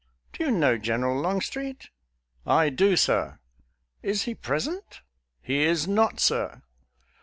" Do you know General Longstreet? "" I do, sir." "Is he present? "" He is not, sir."